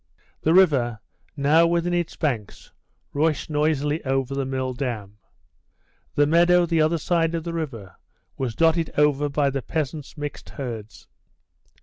The river, now within its banks, rushed noisily over the mill dam. The meadow the other side of the river was dotted over by the peasants' mixed herds.